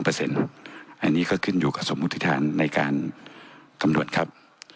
อันนี้ก็ขึ้นอยู่กับสมมุติฐานในการกำหนดครับ